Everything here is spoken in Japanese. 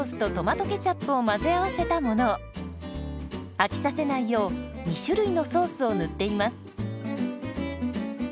飽きさせないよう２種類のソースを塗っています。